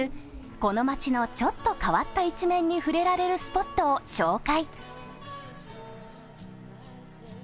この街のちょっと変わった一面に触れられるスポットを紹介。